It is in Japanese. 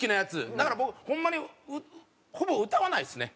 だから僕ホンマにほぼ歌わないですね。